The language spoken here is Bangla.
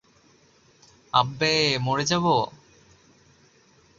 আব্বে, মরে যাব?